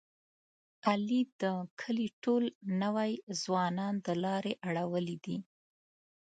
علي د کلي ټول نوی ځوانان د لارې اړولي دي.